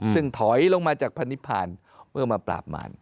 ซึ่งถอยลงมาจากพนิพานเพื่อมาปราบมาร